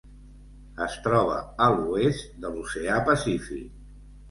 Es troba a l'oest de l'Oceà Pacífic: